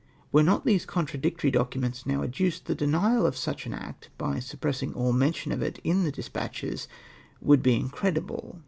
Were not these contradictory documents now adduced, the denial of such an act by suppressing all mention of it in the despatches would be incredible.